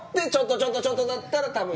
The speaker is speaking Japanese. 「ちょっとちょっと！」だったら多分。